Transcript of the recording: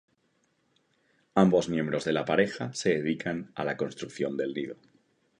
Ambos miembros de la pareja se dedican a la construcción del nido.